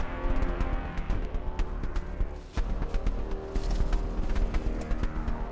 apa aku harus menunggu sampai al pulih